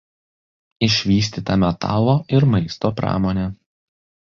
Išvystyta metalo ir maisto pramonė.